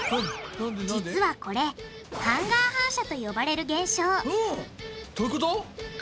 実はこれ「ハンガー反射」と呼ばれる現象どういうこと？